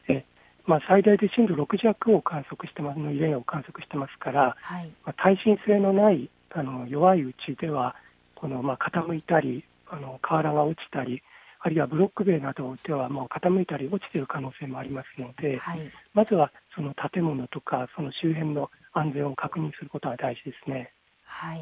最大で震度６弱を観測しているので耐震性のない弱い家では傾いたり、瓦が落ちたりあるいはブロック塀などが傾いたり落ちている可能性もありますのでまずは建物とか周辺の安全を確認することが大事ですね。